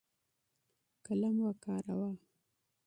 قلم وکاروه.